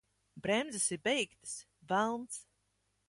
Bremzes ir beigtas! Velns!